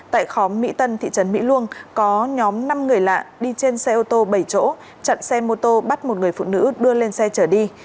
tại khóm mỹ tân thị trấn mỹ luông có nhóm năm người lạ đi trên xe ô tô bảy chỗ chặn xe mô tô bắt một người phụ nữ đưa lên xe chở đi